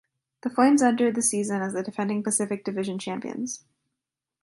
The Flames entered the season as the defending Pacific Division champions.